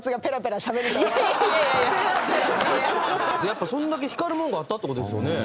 やっぱそんだけ光るもんがあったって事ですよね。